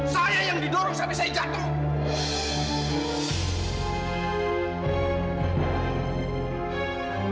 saya yang didorong sampai saya jatuh